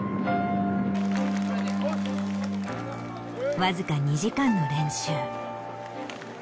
わずか２時間の練習。